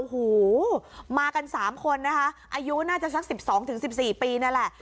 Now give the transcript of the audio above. โอ้โหมากัน๓คนนะคะอายุน่าจะสัก๑๒๑๔ปีนั่นแหละ